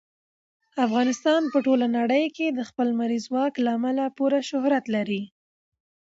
افغانستان په ټوله نړۍ کې د خپل لمریز ځواک له امله پوره شهرت لري.